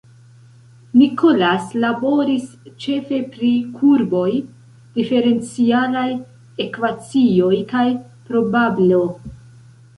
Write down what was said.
Nicolaus laboris ĉefe pri kurboj, diferencialaj ekvacioj, kaj probablo.